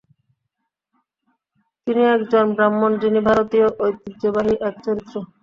তিনি একজ ব্রাহ্মণ যিনি ভারতীয় ঐতিহ্যবাহী এক চরিত্র।